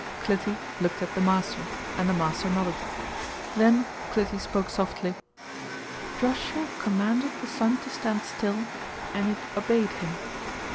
Clytie looked at the master, and the master nodded. Then Clytie spoke softly: "Joshua commanded the sun to stand still, and it obeyed him!"